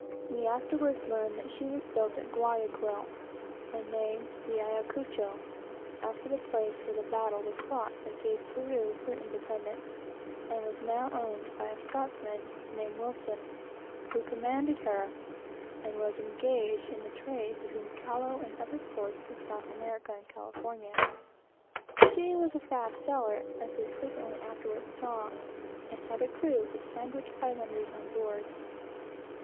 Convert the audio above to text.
We afterwards learned that she was built at Guayaquil, and named the Ayacucho, after the place where the battle was fought that gave Peru her independence, and was now owned by a Scotchman named Wilson, who commanded her, and was engaged in the trade between Callao, the Sandwich Islands, and California. She was a fast sailer, as we frequently afterwards perceived, and had a crew of Sandwich Islanders on board.